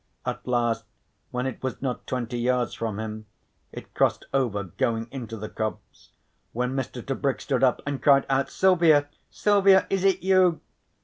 At last, when it was not twenty yards from him, it crossed over, going into the copse, when Mr. Tebrick stood up and cried out, "Silvia, Silvia, is it you?"